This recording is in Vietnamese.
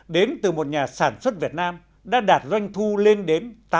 đến từ một nhà sản xuất việt nam đã đạt doanh thu lên đến tám mươi usd một tháng